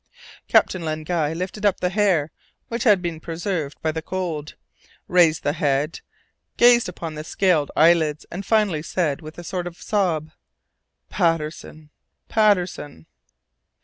Captain Len Guy lifted up the hair, which had been preserved by the cold, raised the head, gazed upon the scaled eyelids, and finally said with a sort of sob, "Patterson! Patterson!"